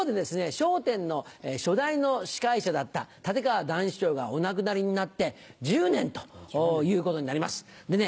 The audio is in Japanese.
『笑点』の初代の司会者だった立川談志師匠がお亡くなりになって１０年ということになりますでね